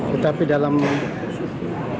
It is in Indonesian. tetapi dalam menghadapi